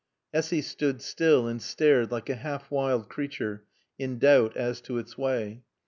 Essy stood still and stared like a half wild creature in doubt as to its way.